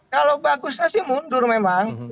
kalau bagusnya sih mundur memang